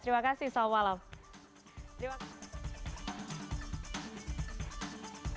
terima kasih selamat malam